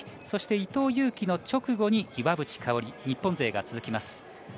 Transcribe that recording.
そして、伊藤有希の直後に岩渕香里と日本勢が続きます。